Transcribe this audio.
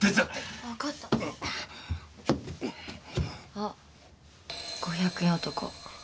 あっ５００円男。